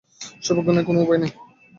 সৌভাগ্য নেই, কোনো উপায়ও নেই।